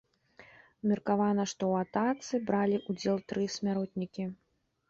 Меркавана, што ў атацы бралі ўдзел тры смяротнікі.